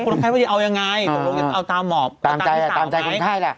คนไข้ก็จะเอายังไงเอาตามหมอเอาตามพี่สาเอาตามพี่สาเอาตามพี่สา